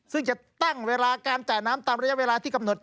ซึ่งจะตั้งเวลาการจ่ายน้ำตามระยะเวลาที่กำหนด